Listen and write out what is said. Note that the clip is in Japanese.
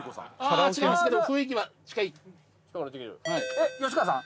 えっ吉川さん。